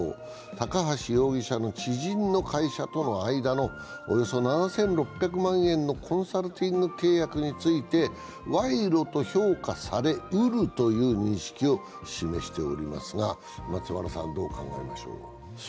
高橋容疑者の知人の会社との間のおよそ７６００万円のコンサルティング契約について賄賂と評価されうるという認識を示しておりますが、松原さん、どう考えましょう。